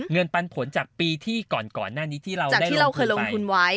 เงินปันผลจากปีที่ก่อนหน้านี้ที่เราได้ลงทุนไป